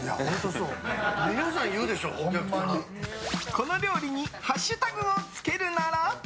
この料理にハッシュタグをつけるなら。